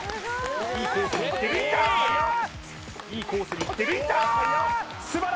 いいコースにいってるいった！